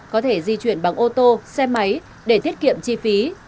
có thể di chuyển bằng ô tô xe máy để tiết kiệm chi phí